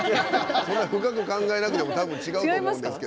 そんな深く考えなくても多分違うと思うんですけど。